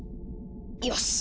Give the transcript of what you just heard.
よし。